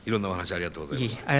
ありがとうございます。